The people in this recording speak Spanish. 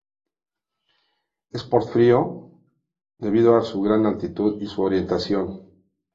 Es por tanto frío, debido a su gran altitud y su orientación.